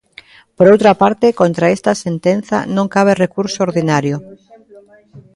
Por outra parte, contra esta sentenza non cabe recurso ordinario.